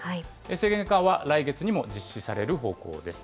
制限緩和は来月にも実施される方向です。